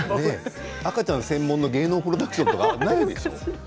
赤ちゃん専門の芸能プロダクションとかないですよね。